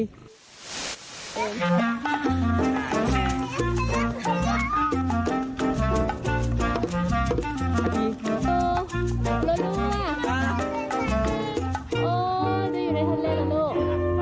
โอ้จะอยู่ในทะเลล่ะลูก